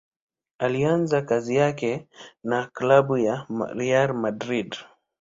Alianza kazi yake na klabu ya Real Madrid.